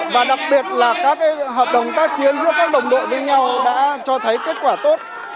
và đặc biệt là các hợp đồng tác chiến giữa các đồng đội với nhau đã cho thấy kết quả tốt